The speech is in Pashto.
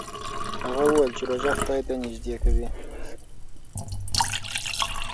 هغه وویل چې روژه خدای ته نژدې کوي.